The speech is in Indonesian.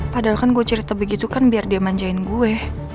padahal kan gue cerita begitu kan biar dia manjain gue